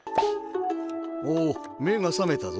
おおめがさめたぞ。